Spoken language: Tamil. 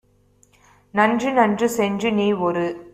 "நன்று நன்று சென்று நீஒரு